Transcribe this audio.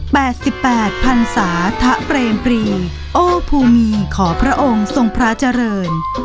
แปดสิบแปดพันศาทะเปรมปรีโอภูมีขอพระองค์ทรงพระเจริญ